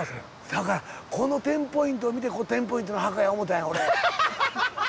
だからこのテンポイントを見てここテンポイントの墓や思たんや俺。